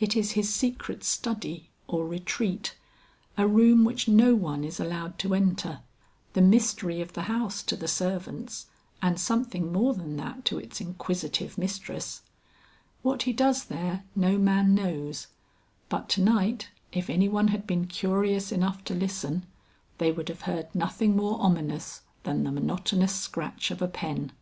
It is his secret study or retreat, a room which no one is allowed to enter, the mystery of the house to the servants and something more than that to its inquisitive mistress. What he does there no man knows, but to night if any one had been curious enough to listen, they would have heard nothing more ominous than the monotonous scratch of a pen.